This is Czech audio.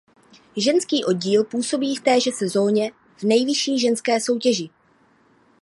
Ženský oddíl působí v téže sezóně v nejvyšší ženské soutěži.